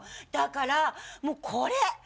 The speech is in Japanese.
だからもうこれ。